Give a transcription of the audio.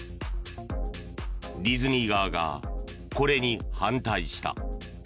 ディズニー側がこれに反対した。